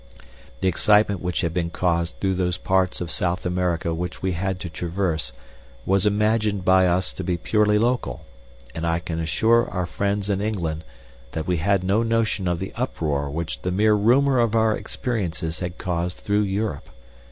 The excitement which had been caused through those parts of South America which we had to traverse was imagined by us to be purely local, and I can assure our friends in England that we had no notion of the uproar which the mere rumor of our experiences had caused through Europe.